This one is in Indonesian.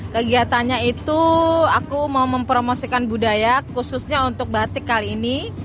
kegiatannya itu aku mau mempromosikan budaya khususnya untuk batik kali ini